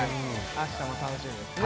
明日も楽しみですね